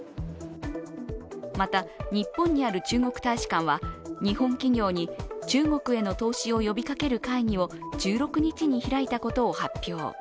また、日本にある中国大使館は日本企業に、中国への投資を呼びかける会議を１６日に開いたことを発表。